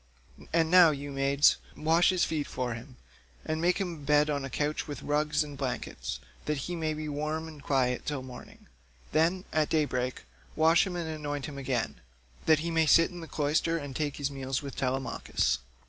And now, you maids, wash his feet for him, and make him a bed on a couch with rugs and blankets, that he may be warm and quiet till morning. Then, at day break wash him and anoint him again, that he may sit in the cloister and take his meals with Telemachus.